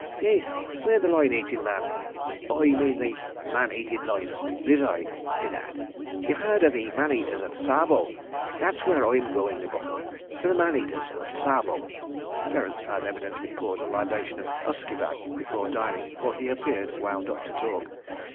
"Faith, where the loin eating man—Oi mane the man eating loins reside, bedad. Ye've heard o' the man eaters of Tsavo? That's where Oi'm goin', me bucko—to the man eaters of Tsavo." Terence had evidently poured a libation of usquebagh before dining, for he appeared wound up to talk.